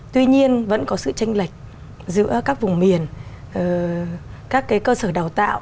tuy nhiên vẫn có sự tranh lệch giữa các vùng miền các cơ sở đào tạo